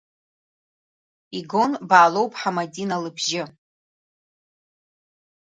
Игон Баалоу-ԥҳа Мадина лыбжьы!